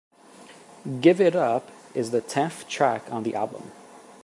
"Give It Up" is the tenth track on the album.